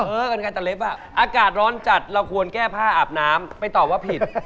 เป็นการตะเล็บอ่ะอากาศร้อนจัดเราควรแก้ผ้าอาบน้ำไปตอบว่าผิด